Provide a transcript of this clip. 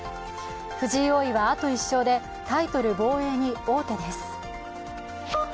藤井王位はあと１勝でタイトル防衛に王手です。